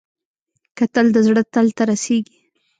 کتل د زړه تل ته رسېږي